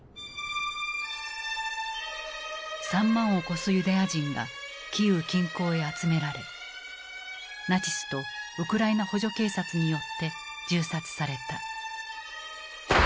３万を超すユダヤ人がキーウ近郊へ集められナチスとウクライナ補助警察によって銃殺された。